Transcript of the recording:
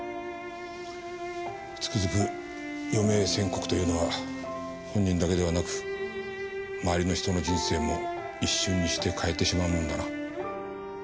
つくづく余命宣告というのは本人だけではなく周りの人の人生も一瞬にして変えてしまうものだな。